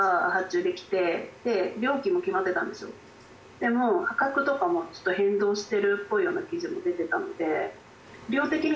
でも価格とかもちょっと変動してるっぽいような記事も出てたので。